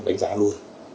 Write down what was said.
đánh giá luôn